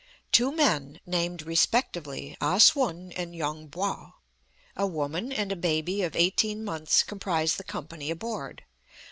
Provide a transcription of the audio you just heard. Two men, named respectively Ah Sum and Yung Po, a woman, and a baby of eighteen months comprise the company aboard.